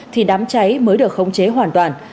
thì đám cháy mới được khống chế hoàn toàn